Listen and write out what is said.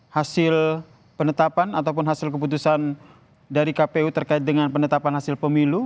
hasil penetapan ataupun hasil keputusan dari kpu terkait dengan penetapan hasil pemilu